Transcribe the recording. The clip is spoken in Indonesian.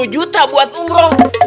dua puluh juta buat umroh